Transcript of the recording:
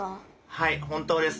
はい本当です。